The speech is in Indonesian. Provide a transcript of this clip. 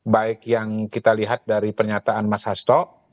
baik yang kita lihat dari pernyataan mas hasto